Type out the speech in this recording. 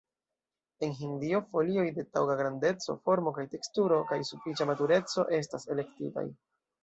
En Hindio, folioj de taŭga grandeco, formo kaj teksturo, kaj sufiĉa matureco estas elektitaj.